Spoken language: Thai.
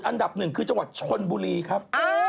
อันดับ๑คือจังหวัดชลบูรีครับ